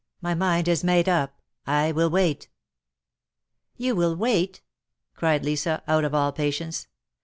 My mind is made up. I will wait." " You will wait !" cried Lisa, out of all patience.